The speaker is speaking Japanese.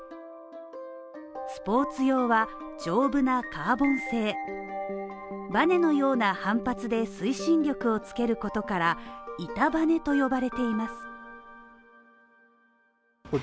スポーツ用は丈夫なカーボン製バネのような反発で推進力をつける事から板バネと呼ばれています